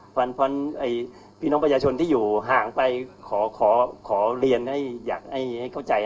เพราะฉะนั้นพี่น้องประชาชนที่อยู่ห่างไปขอเรียนให้เข้าใจ